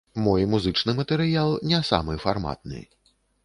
Мой музычны матэрыял не самы фарматны.